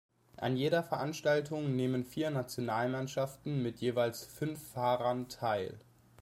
An jeder Veranstaltung nehmen vier Nationalmannschaften mit jeweils fünf Fahrern teil.